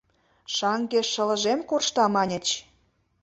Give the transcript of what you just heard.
— Шаҥге шылыжем коршта, маньыч.